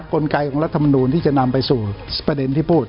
กลไกของรัฐมนูลที่จะนำไปสู่ประเด็นที่พูด